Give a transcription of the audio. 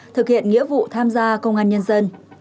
thực hiện nghĩa vụ tham gia công an nhân dân